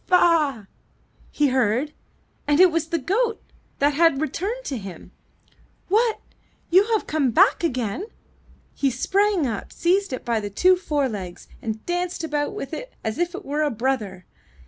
''Ba a a a!'' he heard, and it was the goat that had returned to him. 'What! have you come back again?'' He sprang up, seized it by the two forelegs, and danced about with it as if it were a brother.